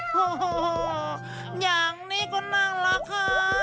โฮโฮโฮอย่างนี้ก็น่ารักค่ะ